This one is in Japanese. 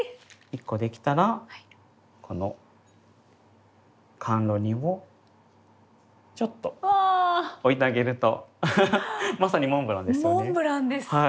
１コできたらこの甘露煮をちょっと置いてあげるとまさにモンブランですよね。